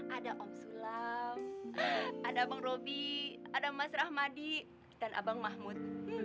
ada om sulaw ada abang robi ada mas rahmadi dan abang mahmud